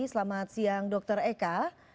selamat siang dr eka